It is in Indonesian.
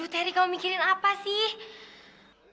teri kamu mikirin apa sih